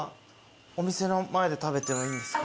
お店の前で食べてもいいんですか？